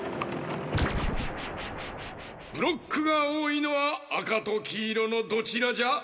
ブロックがおおいのはあかときいろのどちらじゃ？